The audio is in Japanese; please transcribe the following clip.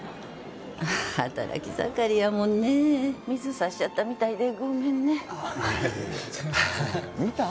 働き盛りやもんね水さしちゃったみたいでごめんね見た？